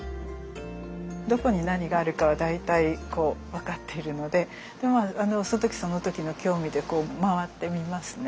どこに何があるかは大体分かっているのでその時その時の興味で回ってみますね。